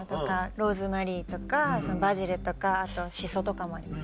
ローズマリーとかバジルとかあとシソとかもあります。